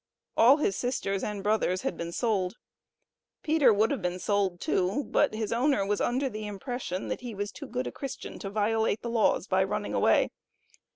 All his sisters and brothers had been sold. Peter would have been sold too, but his owner was under the impression, that he was "too good a Christian" to violate the laws by running away.